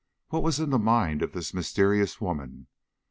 What was in the mind of this mysterious woman?